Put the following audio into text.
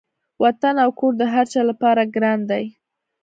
وطن او کور د هر چا لپاره ګران دی.